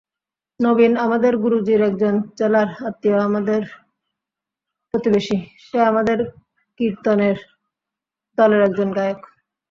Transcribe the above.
নবীন আমাদের গুরুজির একজন চেলার আত্মীয়–আমাদের প্রতিবেশী, সে আমাদের কীর্তনের দলের একজন গায়ক।